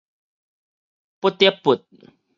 不得不